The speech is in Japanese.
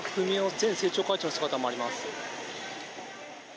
前政調会長の姿もあります。